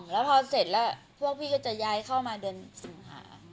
แล้วพอเสร็จแล้วพวกพี่ก็จะย้ายเข้ามาเดือนสิงหา